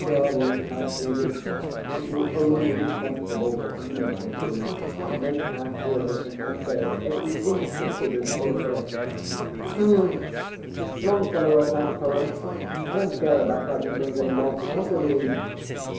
ŌĆØ ŌĆ£Charlie, ŌĆØ I pleaded, ŌĆ£if youŌĆÖll only be sensible for a minute or two IŌĆÖll make our hero in our tale every inch as good as Othere.ŌĆØ ŌĆ£Umph! Longfellow wrote that poem. I donŌĆÖt care about writing things any more. I want to read.